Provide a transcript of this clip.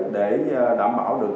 để đảm bảo được